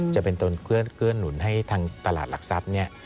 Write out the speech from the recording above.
จะเป็นต้นเคลื่อนหนุนให้ทางตลาดหลักทรัพย์